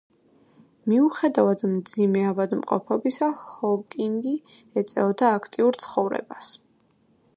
მიუხედავად მძიმე ავადმყოფობისა, ჰოკინგი ეწეოდა აქტიურ ცხოვრებას.